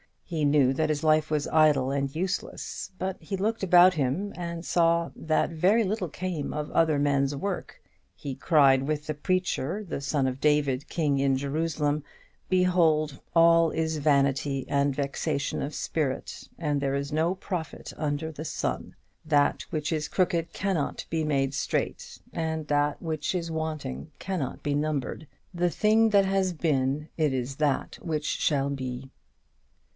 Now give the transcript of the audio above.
He knew that his life was idle and useless; but he looked about him, and saw that very little came of other men's work; he cried with the Preacher, the son of David, king in Jerusalem, "Behold, all is vanity and vexation of spirit, and there is no profit under the sun: that which is crooked cannot be made straight, and that which is wanting cannot be numbered: the thing that has been, it is that which shall be."